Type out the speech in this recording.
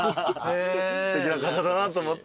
すてきな方だなと思って。